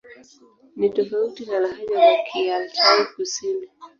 Ni tofauti na lahaja za Kialtai-Kusini.